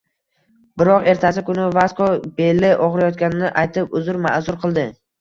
Biroq ertasi kuni Vasko beli ogʻriyotganini aytib, uzr-maʼzur qildi.